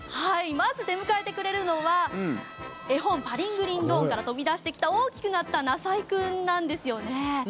まず出迎えてくれるのは絵本「パリングリンドーン」から飛び出してきた、大きくなったなさいくんなんですよね。